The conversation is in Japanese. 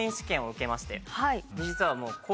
実は。